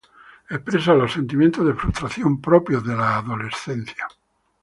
Expresa los sentimientos de frustración propios de la adolescencia.